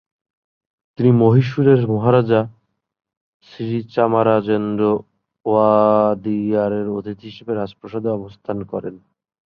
তিনি মহীশূরের মহারাজা শ্রী চামারাজেন্দ্র ওয়াদিয়ারের অতিথি হিসেবে রাজপ্রাসাদে অবস্থান করেন।